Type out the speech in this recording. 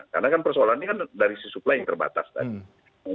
karena kan persoalan ini kan dari si supply yang terbatas tadi